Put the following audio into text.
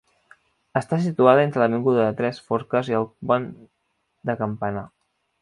Està situada entre l'avinguda de Tres Forques i el pont de Campanar.